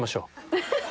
ハハハ！